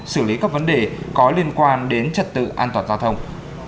xử lý các vấn đề có liên quan đến trật tự an toàn giao thông